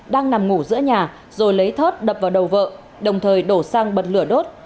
đang nằm ngủ giữa nhà rồi lấy thớt đập vào đầu vợ đồng thời đổ xăng bật lửa đốt